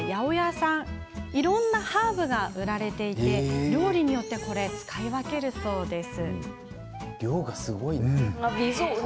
さまざまなハーブが売られていて料理によって使い分けるそうなんです。